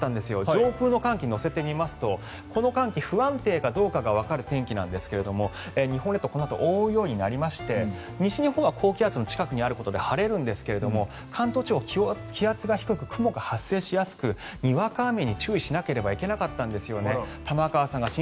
上空の寒気を乗せてみるとこの寒気は不安定かわかる寒気なんですが日本はこのあと覆うようになりまして西日本は高気圧の近くにあることで、晴れるんですが関東地方、気圧が低く雲が発生しやすくにわか雨に注意しなければいけなかったんです。